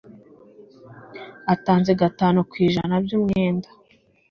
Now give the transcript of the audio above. atanze gatanu ku ijana by’umwenda